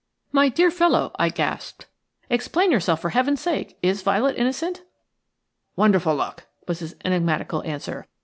"My dear fellow," I gasped, "explain yourself, for Heaven's sake. Is Violet innocent?" "Wonderful luck," was his enigmatical answer.